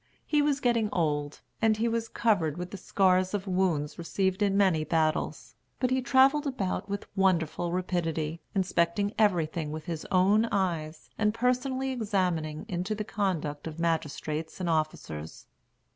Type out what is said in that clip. He was getting old, and he was covered with the scars of wounds received in many battles; but he travelled about with wonderful rapidity, inspecting everything with his own eyes, and personally examining into the conduct of magistrates and officers.